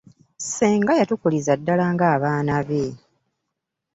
Ssenga yatukuliza ddala ng'abaana be.